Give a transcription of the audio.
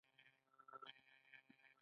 په فرد باید څه نه وي تحمیل شوي.